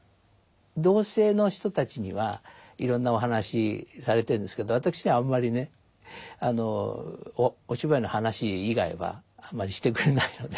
同性の人たちにはいろんなお話されてんですけど私にはあんまりねお芝居の話以外はあまりしてくれないので。